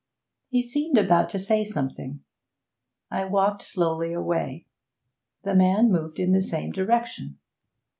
He seemed about to say something. I walked slowly away; the man moved in the same direction.